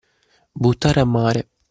Buttare a mare.